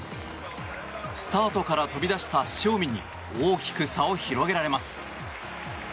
スタートから飛び出した選手に大きく差を広げられます。